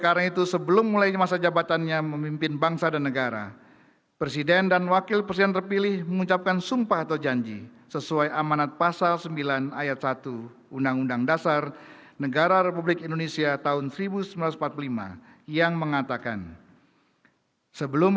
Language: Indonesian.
dalam tugasnya selesai perkembangkan dana di wilayah humaremoondi rwy empat belas ayan hingga sembilan belas tam